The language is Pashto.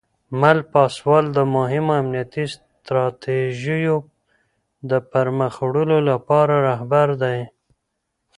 مل پاسوال د مهمو امنیتي ستراتیژیو د پرمخ وړلو لپاره رهبر دی.